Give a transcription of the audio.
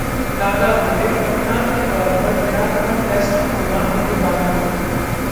दादा बोले- कप्तान के तौर पर विराट का 'टेस्ट' होना अभी बाकी